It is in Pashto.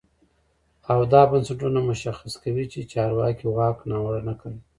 او دا بنسټونه مشخص کوي چې چارواکي واک ناوړه نه کاروي.